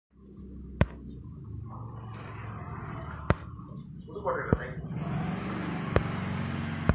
பேரியாழ், சீறியாழ், செங்கோட்டியாழ், சகோடயாழ் முதலிய எல்லா யாழ்களிலும் இசைக்கும் முறை அவனுக்கு நன்கு தெரிந்திருந்தது.